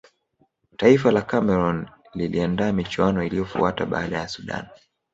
taifa la cameroon liliandaa michuano iliyofuata baada ya sudan